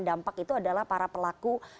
dampak itu adalah para pelaku